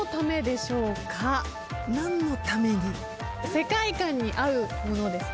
世界観に合うものですかね。